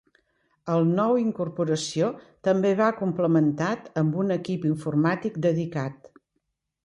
El nou incorporació també va complementat amb un equip informàtic dedicat.